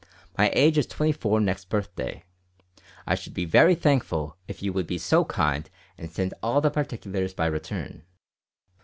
My age is 24 next birthday. I shood be verry thankful if you would be so kind and send all the particulars by return."